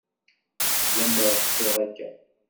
Lemmer ḥṣiɣ akka.